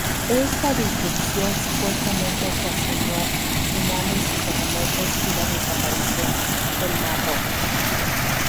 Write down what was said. Esta disrupción supuestamente ocasionó tsunamis y terremotos y la desaparición del mar Rojo.